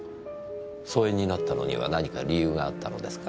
疎遠になったのには何か理由があったのですか？